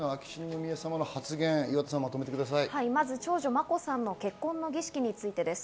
眞子さんの結婚の儀式についてです。